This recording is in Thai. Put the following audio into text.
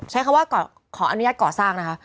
ใช้คำว่าขออนุญาตก่อสร้างนะคะ